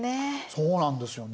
そうなんですよね。